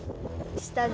下で。